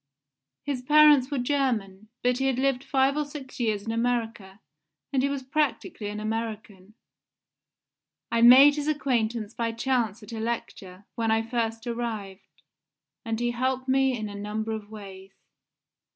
His parents were German, but he had lived five or six years in America, and he was practically an American. I made his acquaintance by chance at a lecture, when I first arrived, and he helped me in a number of ways.